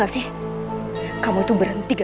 tapi aku mau ke ruangan dulu ya ma